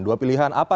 dua pilihan apa